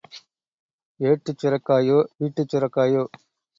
ஏட்டுச் சுரைக்காயோ, வீட்டுச் சுரைக்காயோ?